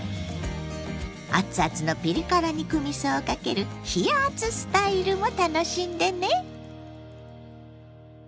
熱々のピリ辛肉みそをかける「冷やあつスタイル」も楽しんでね。